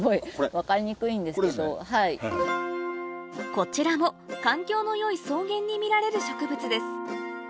こちらも環境の良い草原に見られる植物です